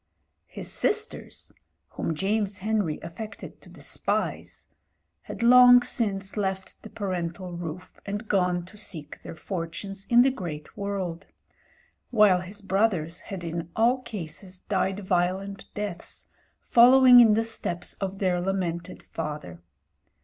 His sisters — whom James Henry affected to despise — ^had long since left the parental roof and gone to seek their Fortunes in the great world; while his brothers had in all cases died violent deaths, following in the steps of their lamented father.